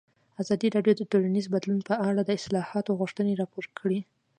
ازادي راډیو د ټولنیز بدلون په اړه د اصلاحاتو غوښتنې راپور کړې.